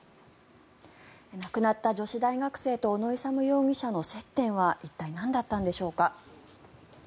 亡くなった女子大学生と小野勇容疑者の接点は一体、なんだったのでしょうか。